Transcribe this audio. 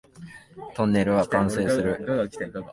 トンネルは完成する